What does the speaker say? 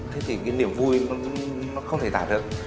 thế thì cái niềm vui nó không thể tả được